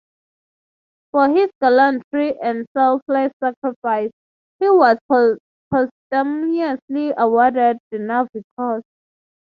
For his gallantry and selfless sacrifice, he was posthumously awarded the Navy Cross.